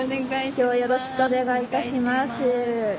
今日はよろしくお願いいたします。